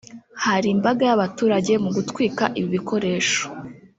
Hari imbaga y’abaturage mu gutwika ibi bikoresho